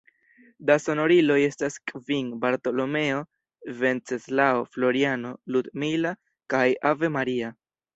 Da sonoriloj estas kvin: Bartolomeo, Venceslao, Floriano, Ludmila kaj Ave Maria.